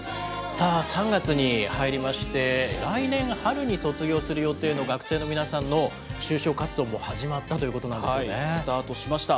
さあ、３月に入りまして、来年春に卒業する予定の学生の皆さんの就職活動も始まったというスタートしました。